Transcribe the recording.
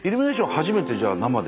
初めてじゃあ生で。